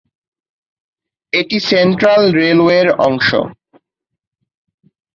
এটি central railway এর অংশ।